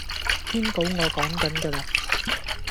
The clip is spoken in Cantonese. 篇稿我趕緊架喇